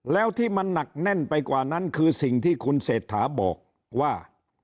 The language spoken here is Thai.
แล้วที่มันหนักแน่นไปกว่านั้นคือสิ่งที่คุณเศรษฐาบอกว่า